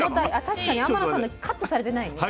確かに天野さんのカットされてないね。